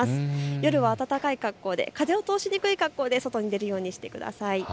夜は暖かい格好で風を通しにくい格好で外に出るようにしてください。